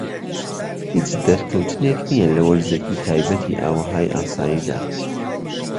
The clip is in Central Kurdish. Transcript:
هیچ دەرکەوتنێک نیە لە وەرزێکی تایبەتی ئاوهەوای ئاساییدا.